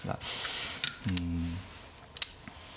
うん。